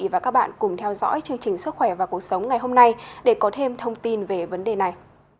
và các bạn cùng theo dõi chương trình sức khỏe và cuộc sống ngày hôm nay để có thêm thông tin về vấn đề này